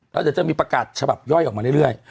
แล้วเดี๋ยวจะมีประกาศฉบับย่อยออกมาเรื่อย